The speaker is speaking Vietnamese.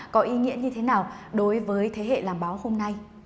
có ý nghĩa như thế nào đối với thế hệ làm báo hôm nay